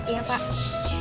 bapak kasih ya